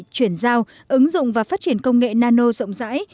chuyển giao ứng dụng và phát triển công nghệ nano rộng rãi